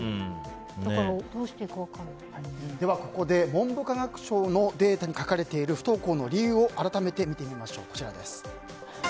だからここで文部科学省のデータに書かれている不登校の理由を改めて見てみましょう。